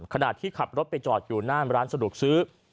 ขณะที่ขับรถไปจอดอยู่หน้าร้านสะดวกซื้อ